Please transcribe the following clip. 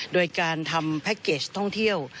โดยการทำแพ็คเกจท่องเที่ยว